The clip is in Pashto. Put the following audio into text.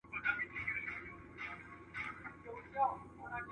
زه بايد تمرين وکړم!؟